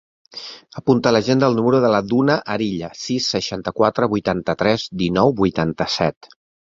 Apunta a l'agenda el número de la Duna Arilla: sis, seixanta-quatre, vuitanta-tres, dinou, vuitanta-set.